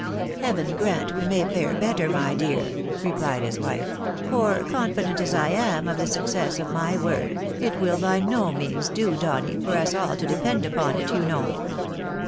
" Heaven grant we may fare better, my dear !". replied his wife ;" for confident as I am of the success of my work, it will by no means do, Donny, for us all to depend upon it, you know."